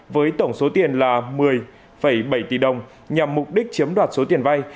với tổng số tiền là một mươi bảy tỷ đồng nhằm mục đích chiếm đoạt số tiền vay